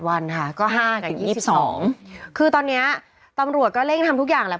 วันค่ะก็๕กับ๒๒คือตอนนี้ตำรวจก็เร่งทำทุกอย่างแหละ